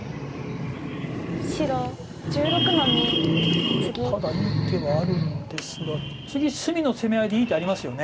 ここでただいい手はあるんですが次隅の攻め合いでいい手ありますよね。